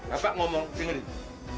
bapak ngomong dengerin